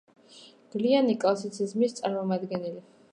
გვიანი კლასიციზმის წარმომადგენელი.